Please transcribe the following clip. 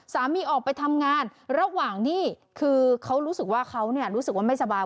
สามีออกไปทำงานระหว่างนี้คือเขารู้สึกว่าเขารู้สึกว่าไม่สบาย